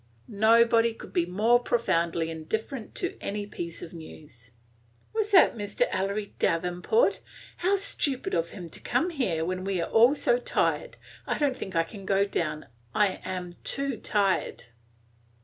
Nobody could be more profoundly indifferent to any piece of news. "Was that Mr. Ellery Davenport? How stupid of him to come here when we are all so tired! I don't think I can go down; I am too tired."